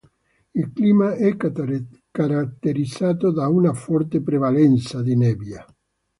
Il clima è caratterizzato da una forte prevalenza di nebbia.